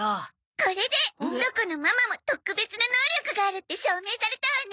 これでどこのママも特別な能力があるって証明されたわね。